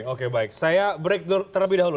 oke baik saya break terlebih dahulu